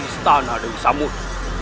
istana dewi samud